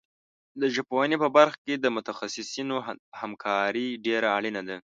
د ژبپوهنې په برخه کې د متخصصینو همکاري ډېره اړینه ده.